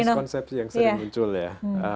ini konsepsi yang sering muncul ya